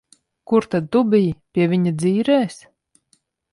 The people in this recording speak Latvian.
Kur tad tu biji? Pie viņa dzīrēs?